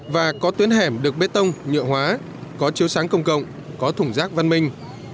và có tuyến hẻm được bê tông nhựa hóa có chiếu sáng công cộng có thủng rác văn minh